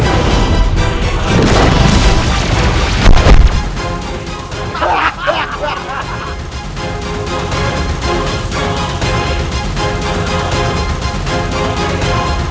ketika kanda menang kanda menang